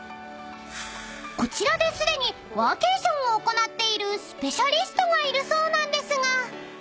［こちらですでにワーケーションを行っているスペシャリストがいるそうなんですが］